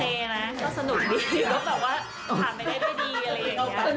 แต่ว่า